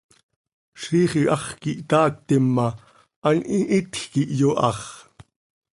Ziix iháx quih httactim ma, an hihitj quih yoháx.